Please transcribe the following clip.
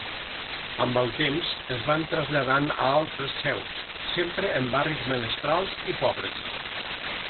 Amb el temps, es van traslladant a altres seus, sempre en barris menestrals i pobres.